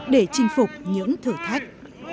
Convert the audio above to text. để chinh phục những thử thách